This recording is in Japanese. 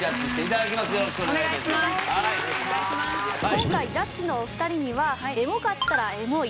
今回ジャッジのお二人にはエモかったら「エモい」